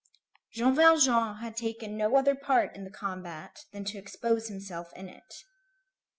Jean Valjean had taken no other part in the combat than to expose himself in it.